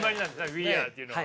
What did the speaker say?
「ウィーアー」っていうのは。